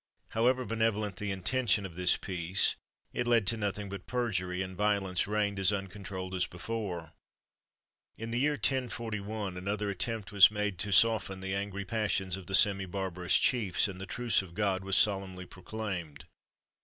However benevolent the intention of this "Peace," it led to nothing but perjury, and violence reigned as uncontrolled as before. In the year 1041, another attempt was made to soften the angry passions of the semi barbarous chiefs, and the "Truce of God" was solemnly proclaimed.